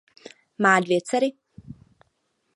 Má dvě dcery.